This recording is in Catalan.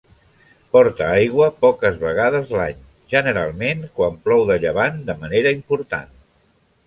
Porta aigua poques vegades l'any, generalment quan plou de llevant de manera important.